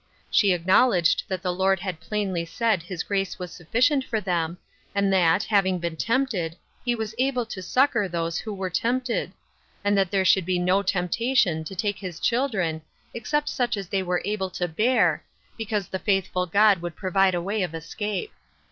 She acknowledged that the Lord had plainly said his grace was sufficient for them, and that, having been tempted, he was able to succor those who were tempted ; and that there should no temptation take his children except such as they were able to bear, because the faith 212 •* Through a Q lass, Darkly:' 213 ful God would provide a way of escape.